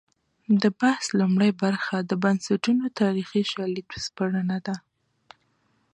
د بحث لومړۍ برخه د بنسټونو تاریخي شالید سپړنه ده.